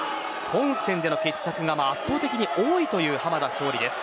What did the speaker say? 本戦での決着が圧倒的に多いという濱田尚里です。